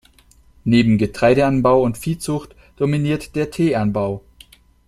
Neben Getreideanbau und Viehzucht dominiert der Teeanbau.